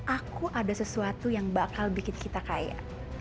aku ada sesuatu yang bakal bikin kita kaya